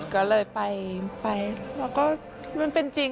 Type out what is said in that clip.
ก็เลยไปแล้วก็มันเป็นจริง